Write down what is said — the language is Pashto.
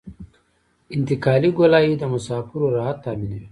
انتقالي ګولایي د مسافرو راحت تامینوي